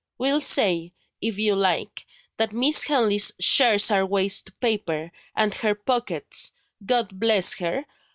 We'll say, if you like, that Miss Henley's shares are waste paper, and her pockets (God bless her!)